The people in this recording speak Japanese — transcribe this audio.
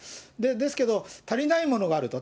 ですけれども、足りないものがあると。